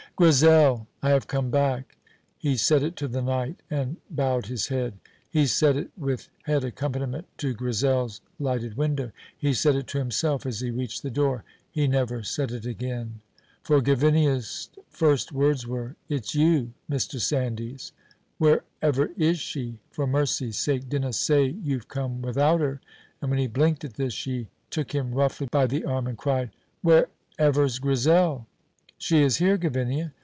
"Grizel, I have come back." He said it to the night, and bowed his head. He said it with head accompaniment to Grizel's lighted window. He said it to himself as he reached the door. He never said it again. For Gavinia's first words were: "It's you, Mr. Sandys! Wherever is she? For mercy's sake, dinna say you've come without her!" And when he blinked at this, she took him roughly by the arm and cried, "Wherever's Grizel?" "She is here, Gavinia."